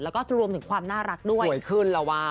แล้วก็รวมถึงความน่ารักด้วยสวยขึ้นแล้ววะ